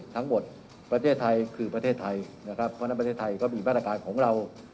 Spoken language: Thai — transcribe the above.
ประเทศไทยคือประเทศไทยนะครับเพราะฉะนั้นประเทศไทยก็มีมาตรการของเรา